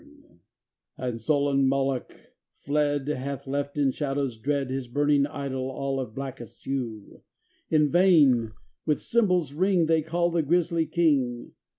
xxin And sullen Moloch, fled, Hath left in shadows dread His burning idol all of blackest hue; In vain with cymbals' ring They call the grisly king.